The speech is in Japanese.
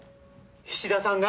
菱田さんが⁉